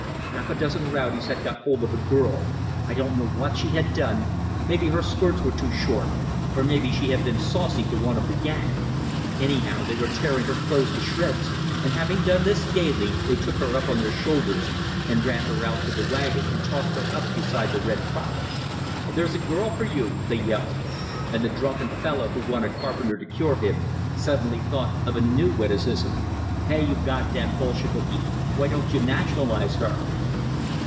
Half a dozen rowdies had got hold of a girl; I don't know what she had done maybe her skirts were too short, or maybe she had been saucy to one of the gang; anyhow, they were tearing her clothes to shreds, and having done this gaily, they took her on their shoulders, and ran her out to the wagon, and tossed her up beside the Red Prophet. "There's a girl for you!" they yelled; and the drunken fellow who wanted Carpenter to cure him, suddenly thought of a new witticism: "Hey, you goddam Bolsheviki, why don't you nationalize her?"